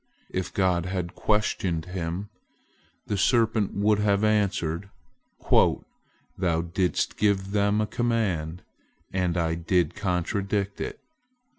If God had questioned him, the serpent would have answered: "Thou didst give them a command, and I did contradict it.